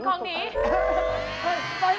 ฮ่ยไปสิขนของหนี